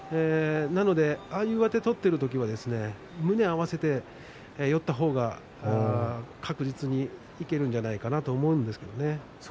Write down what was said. ああいう上手を取っている時は胸を合わせて寄った方が確実にいけるんじゃないかなと思うんですよね。